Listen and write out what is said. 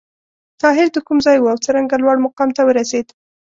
طاهر د کوم ځای و او څرنګه لوړ مقام ته ورسېد؟